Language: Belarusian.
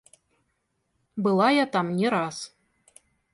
Была я там не раз.